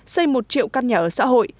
xây một triệu căn nhà ở xã hội